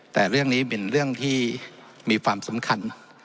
แต่เรื่องนี้เป็นเรื่องที่มีความสำคัญ